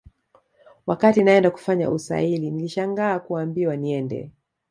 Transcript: Wakati naenda kufanya usaili nilishangaa kuambiwa niende